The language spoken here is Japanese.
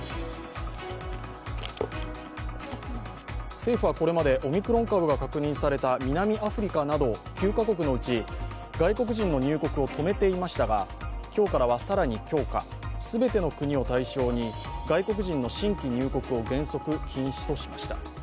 政府はこれまでオミクロン株が確認された南アフリカなど９カ国のうち、外国人の入国を止めていましたが今日からは更に強化、全ての国を対象に外国人の新規入国を原則禁止としました。